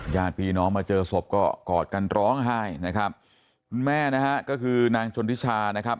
ญาติพี่น้องมาเจอสบก่อดกันร้องไห้นะครับแม่ก็คือนางชนธิชชานะครับ